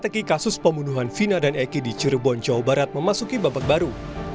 teki kasus pembunuhan vina dan eki di cirebon jawa barat memasuki babak baru